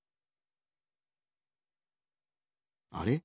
あれ？